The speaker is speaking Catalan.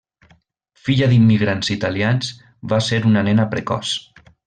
Filla d'immigrants italians, va ser una nena precoç.